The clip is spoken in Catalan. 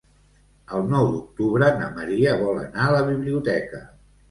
El nou d'octubre na Maria vol anar a la biblioteca.